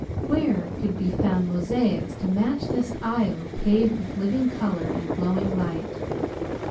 Where could be found mosaics to match this aisle paved with living color and glowing light?